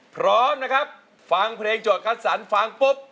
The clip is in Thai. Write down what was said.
พร้อมนะครับฟังเพลงโจทย์คัดสรรฟังปุ๊บ